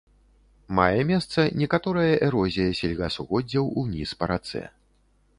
Мае месца некаторая эрозія сельгасугоддзяў уніз па рацэ.